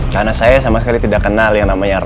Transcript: karena saya sama sekali tidak kenal yang namanya andin